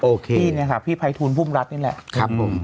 โอเคพี่เนี้ยค่ะพี่ไพทูลภูมิรัตน์นี่แหละครับผม